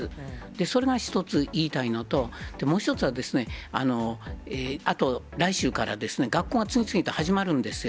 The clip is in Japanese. それが一つ言いたいのと、もう１つは、あと来週から、学校が次々と始まるんですよ。